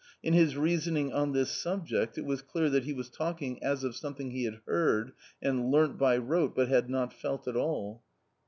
In his reasoning on this subject it was clear that he was talking as of something he had heard and learnt by rote, but had not felt at all.